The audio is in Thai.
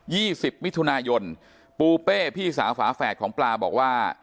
สิบมิถุนายนปูเป้พี่สาวฝาแฝดของปลาบอกว่า